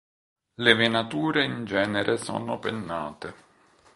Le venature in genere sono pennate.